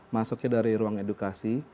masuknya dari ruang edukasi